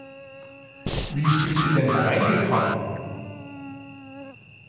Wie sind Sie denn hereingekommen?